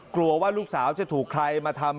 กลัวว่าลูกสาวจะถูกใครมาทำ